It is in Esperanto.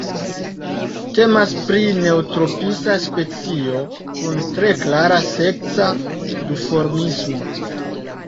Temas pri neotropisa specio kun tre klara seksa duformismo.